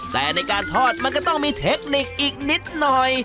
แต่ในการทอดมันก็ต้องมีเทคนิคอีกนิดหน่อย